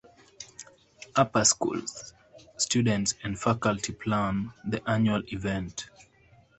Upper School students and faculty plan the annual event.